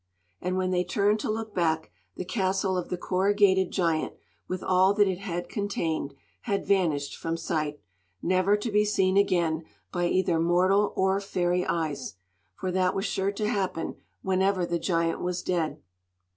And when they turned to look back, the castle of the Corrugated Giant, with all that it had contained, had vanished from sight, never to be seen again by either mortal or fairy eyes. For that was sure to happen whenever the giant was dead.